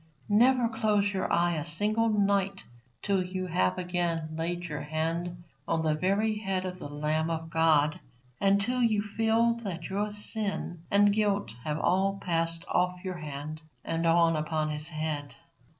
Never close your eye a single night till you have again laid your hand on the very head of the Lamb of God, and till you feel that your sin and guilt have all passed off your hand and on upon His head.